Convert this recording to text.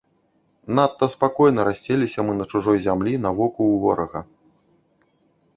Надта спакойна расселіся мы на чужой зямлі на воку ў ворага.